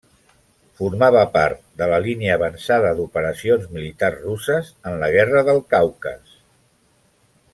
Formava part de la línia avançada d'operacions militars russes en la Guerra del Caucas.